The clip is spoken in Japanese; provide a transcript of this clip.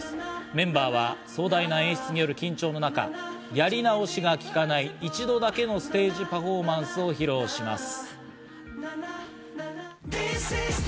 メンバーは壮大な演出による緊張の中、やり直しがきかない一度だけのステージパフォーマンスを披露します。